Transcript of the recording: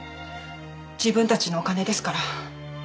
自分たちのお金ですから。